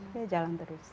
dia jalan terus